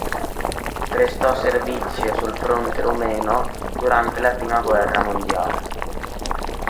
Prestò servizio sul fronte rumeno durante la prima guerra mondiale.